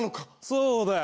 そうだよ。